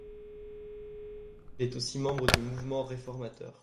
Il est aussi membre du Mouvement réformateur.